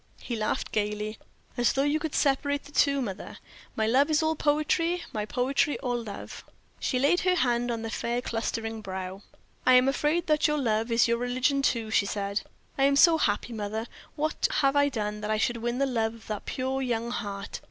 He laughed gayly. "As though you could separate the two, mother. My love is all poetry, my poetry all love." She laid her hand on the fair clustering brow. "I am afraid that your love is your religion, too," she said. "I am so happy, mother! What have I done that I should win the love of that pure, young heart?